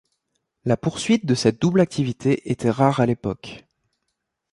La poursuite de cette double activité était rare à l’époque.